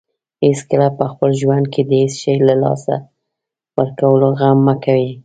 هیڅکله په خپل ژوند کې د هیڅ شی له لاسه ورکولو غم مه کوئ.